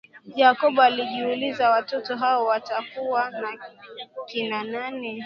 Jacob alijiuliza watu hao watakuwa ni kina nani